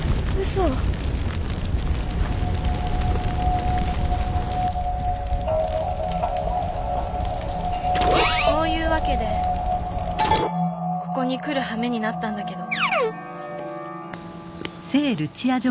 ［そういうわけでここに来る羽目になったんだけど］